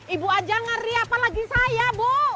ibu aja ngeri apalagi saya bu